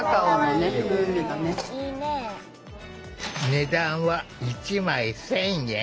値段は１枚１，０００円。